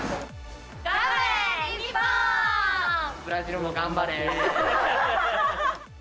ブラジルも頑張れ。